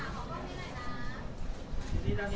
สวัสดีครับ